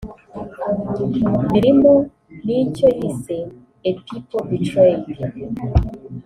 birimo n’icyo yise “A People Betrayed